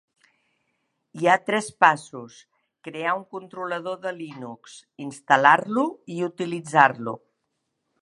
Hi ha tres passos: Crear un controlador de Linux, instal·lar-lo i utilitzar-lo.